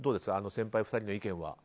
先輩２人の意見。